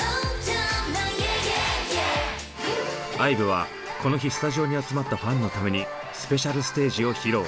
ＩＶＥはこの日スタジオに集まったファンのためにスペシャルステージを披露。